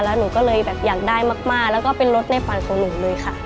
แล้วหนูก็เลยแบบอยากได้มากแล้วก็เป็นรถในฝันของหนูเลยค่ะ